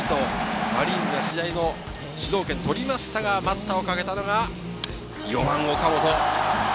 マリーンズが試合の主導権を取りましたが、待ったをかけたのが４番・岡本。